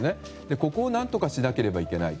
ここを何とかしなければいけないと。